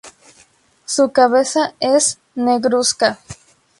Su cabeza es negruzca.